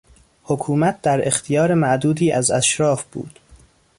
حکومت در اختیار معدودی از اشراف بود.